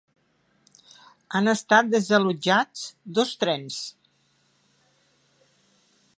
Han estat desallotjats dos trens.